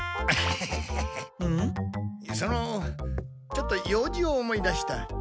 そのちょっと用事を思い出した。